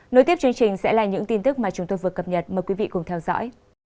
nối tiếp chương trình sẽ là những tin tức mà chúng tôi vừa cập nhật mời quý vị cùng theo dõi